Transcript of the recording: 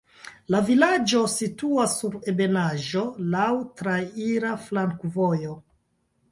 La vilaĝo situas sur ebenaĵo, laŭ traira flankovojo.